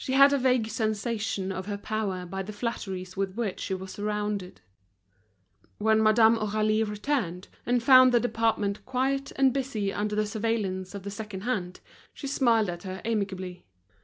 She had a vague sensation of her power by the flatteries with which she was surrounded. When Madame Aurélie returned, and found the department quiet and busy under the surveillance of the second hand, she smiled at her amicably.